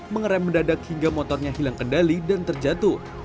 mengeram mendadak hingga motornya hilang kendali dan terjatuh